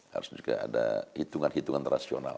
harus juga ada hitungan hitungan rasional